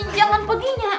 jangan pergi nya